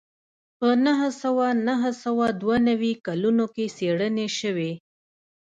په نهه سوه نهه سوه دوه نوي کلونو کې څېړنې شوې